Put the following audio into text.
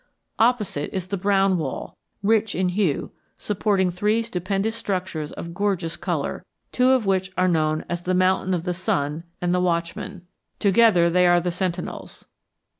Opposite is the Brown Wall, rich in hue, supporting three stupendous structures of gorgeous color, two of which are known as the Mountain of the Sun and the Watchman. Together they are the Sentinels.